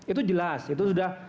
itu jelas itu sudah